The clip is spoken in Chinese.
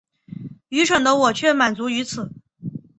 愚蠢的我却也满足於此